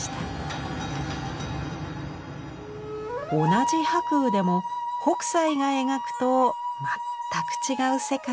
同じ白雨でも北斎が描くと全く違う世界に。